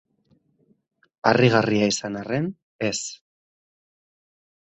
Harrigarria izan arren, ez.